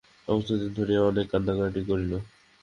সমস্ত দিন ধরিয়া অনেক কাঁদাকাটি করিল।